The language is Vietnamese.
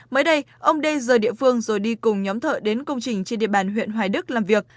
mới đây ông đê rời địa phương rồi đi cùng nhóm thợ đến công trình trên địa bàn huyện hoài đức làm việc